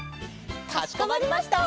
かしこまりました！